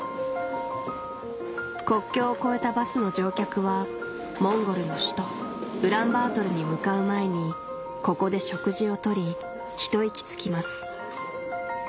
国境を越えたバスの乗客はモンゴルの首都ウランバートルに向かう前にここで食事を取り一息つきます